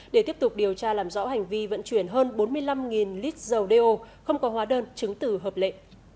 để tiếp tục điều tra làm rõ hành vi vận chuyển hơn bốn mươi năm lít dầu đeo không có hóa đơn chứng tử hợp lệ